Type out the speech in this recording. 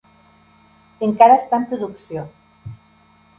Encara està en producció.